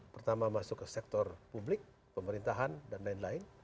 pertama masuk ke sektor publik pemerintahan dll